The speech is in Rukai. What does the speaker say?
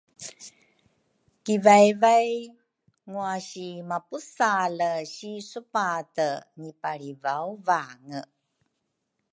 kivaivai ngwasi mapusale si supate ngipalrivawvange